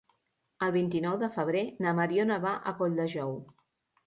El vint-i-nou de febrer na Mariona va a Colldejou.